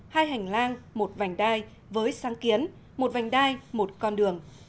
hai hành lang một vành đai với sáng kiến một vành đai một con đường